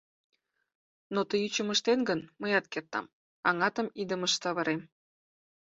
Но тый ӱчым ыштет гын, мыят кертам, аҥатым идымыш савырем.